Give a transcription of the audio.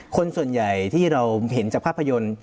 คนส่วนใหญ่ที่เราเห็นจากภาพยนตร์